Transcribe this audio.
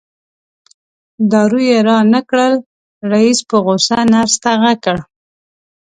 دارو یې رانه کړل رئیس په غوسه نرس ته غږ کړ.